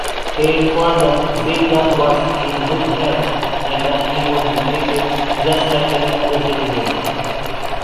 They informed that Zeidan was “in good health”, and that he would be treated “just like any other citizen”.